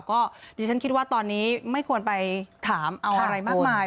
ก็ดิฉันคิดว่าตอนนี้ไม่ควรไปถามเอาอะไรมากมาย